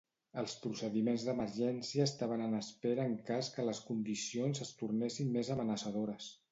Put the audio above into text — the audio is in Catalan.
Els procediments d'emergència estaven en espera en cas que les condicions es tornessin més amenaçadores.